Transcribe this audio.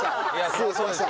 失礼しました。